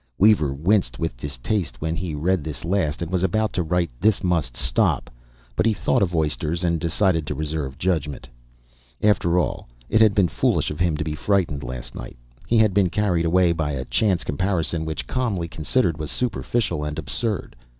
Weaver winced with distaste when he read this last, and was about to write, "This must stop." But he thought of oysters, and decided to reserve judgment. After all, it had been foolish of him to be frightened last night. He had been carried away by a chance comparison which, calmly considered, was superficial and absurd.